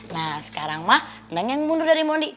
nah sekarang mah neng yang mundur dari mondi